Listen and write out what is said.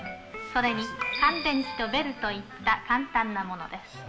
それに乾電池とベルといった簡単なものです。